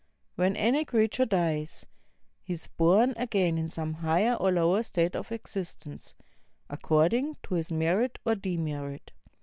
When any creature dies, he is bom again in some higher or lower state of existence, accord ing to his merit or demerit.